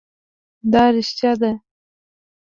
دا رښتیا ده